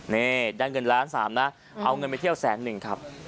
นี่ได้เงินล้านสามนะเอาเงินไปเที่ยวแสนหนึ่งครับ